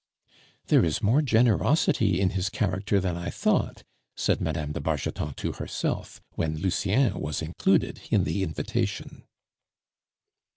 "There is more generosity in his character than I thought," said Mme. de Bargeton to herself when Lucien was included in the invitation.